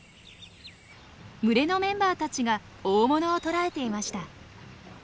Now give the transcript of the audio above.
群れのメンバーたちが大物を捕らえていました。